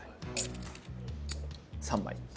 ３枚。